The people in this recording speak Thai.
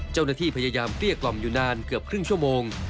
เจ้าหน้าที่พยายามเกลี้ยกล่อมอยู่นานเกือบครึ่งชั่วโมง